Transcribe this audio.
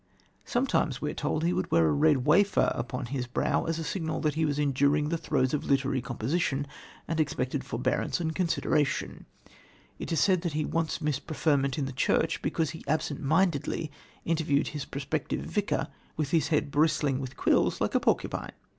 Sometimes, we are told, he would wear a red wafer upon his brow, as a signal that he was enduring the throes of literary composition and expected forbearance and consideration. It is said that he once missed preferment in the church because he absentmindedly interviewed his prospective vicar with his head bristling with quills like a porcupine.